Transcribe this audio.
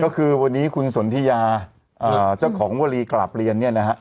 ก็คือวันนี้คุณสนทิยาเจ้าของวลีกราบเรียนเนี่ยนะฮะ